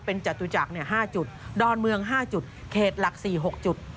เป็นจัดจุจักรเนี้ย๕จุดดอนเมือง๕จุดเขตหลัก๔หรือ๖จุด